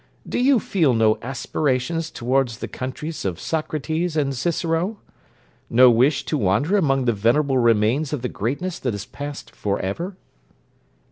Do you feel no aspirations towards the countries of Socrates and Cicero? No wish to wander among the venerable remains of the greatness that has passed for ever?